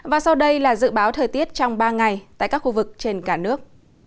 và sau đây là dự báo thời tiết trong ba ngày tại các khu vực trên cả nước